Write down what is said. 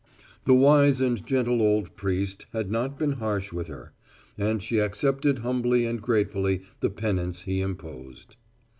The wise and gentle old priest had not been harsh with her, and she accepted humbly and gratefully the penance he imposed.